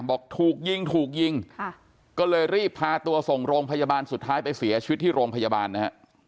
บอกถูกยิงถูกยิงก็เลยรีบพาตัวส่งโรงพยาบาลสุดท้ายไปเสียชีวิตที่โรงพยาบาลนะฮะ